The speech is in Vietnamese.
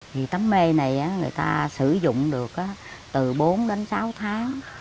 vì tấm mê này người ta sử dụng được từ bốn đến sáu tháng